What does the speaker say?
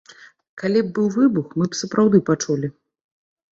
Калі б быў выбух, мы б сапраўды пачулі.